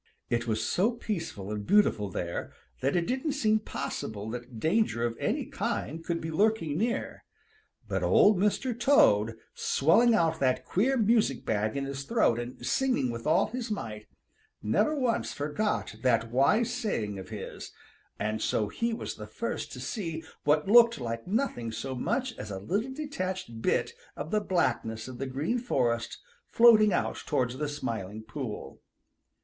It was so peaceful and beautiful there that it didn't seem possible that danger of any kind could be lurking near. But Old Mr. Toad, swelling out that queer music bag in his throat and singing with all his might, never once forgot that wise saying of his, and so he was the first to see what looked like nothing so much as a little detached bit of the blackness of the Green Forest floating out towards the Smiling Pool.